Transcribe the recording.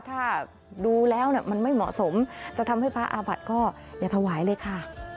ถ้าดูแล้วมันไม่เหมาะสมจะทำให้พระอาบัติก็อย่าถวายเลยค่ะ